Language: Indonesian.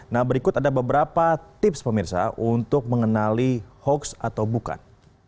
nah berikut ada beberapa tips pemirsa untuk mengenali hoax atau bukan